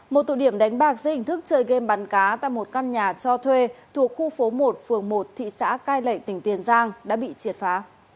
một tụ điểm đánh bạc dây hình thức chơi game bắn cá tại một căn nhà cho thuê thuộc khu phố một phường một thị xã cai lệ tỉnh tiền giang đã bị triệt phá